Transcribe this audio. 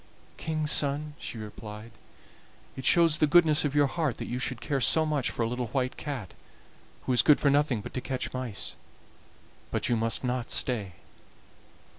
"King's son," she replied, "it shows the goodness of your heart that you should care so much for a little white cat, who is good for nothing but to catch mice; but you must not stay."